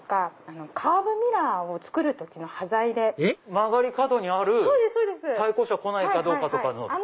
曲がり角にある対向車来ないかどうかとかの。